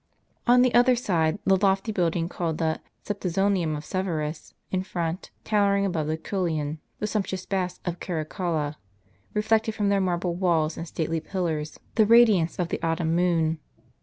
On the other side, the lofty building called the Septizonium of Severus, in front, towering above the Coelian, the sumptuous baths of Caracalla, reflected from their marble walls and stately pillars the radiance of the autumn moon.